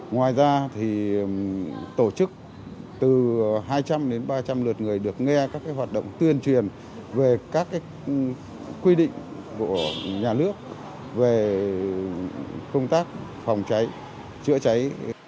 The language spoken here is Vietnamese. ngoài ra thì tổ chức từ hai trăm linh đến ba trăm linh lượt người được nghe các hoạt động tuyên truyền về các quy định của nhà nước về công tác phòng cháy chữa cháy